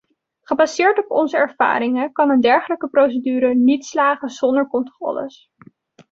Gebaseerd op onze ervaringen kan een dergelijke procedure niet slagen zonder controles.